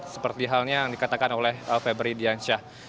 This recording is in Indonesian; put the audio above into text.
seperti halnya yang dikatakan oleh febri diansyah